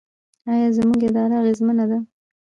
آیا زموږ اداره اغیزمنه ده؟